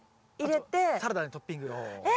あとサラダにトッピング。え！